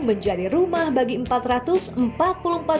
ketika diperlukan kawasan ini akan menjadi tempat untuk menjaga kemampuan